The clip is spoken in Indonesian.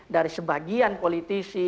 dari sebagian politisi